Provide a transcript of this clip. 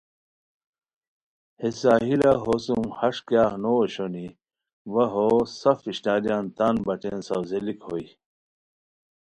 ہے ساحلہ ہوسوم ہِش کیاغ نو اوشونی وا ہو سف اشناریان تان بچے ساؤزیلیک ہوئے